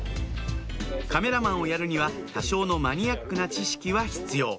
カメラマンをやるには多少のマニアックな知識は必要